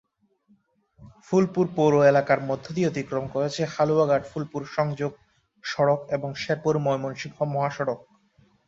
ফুলপুর পৌর এলাকার মধ্যদিয়ে অতিক্রম করেছে হালুয়াঘাট-ফুলপুর সংযোগ সড়ক এবং শেরপুর-ময়মনসিংহ মহাসড়ক।